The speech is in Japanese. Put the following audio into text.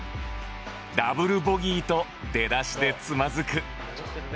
ダブルボギーと出だしでつまずく